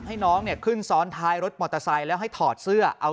ให้น้องเนี่ยขึ้นซ้อนท้ายรถมอเตอร์ไซค์แล้วให้ถอดเสื้อเอา